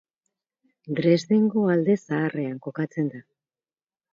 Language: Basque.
Dresdengo Alde Zaharrean kokatzen da.